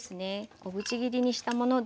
小口切りにしたものです。